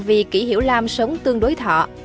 vì kỷ hiểu lam sống tương đối thọ